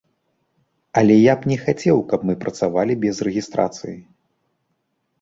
Але я б не хацеў, каб мы працавалі без рэгістрацыі.